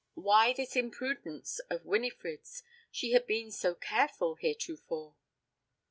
Why this imprudence of Winifred's? She had been so careful heretofore.